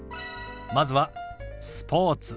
まずは「スポーツ」。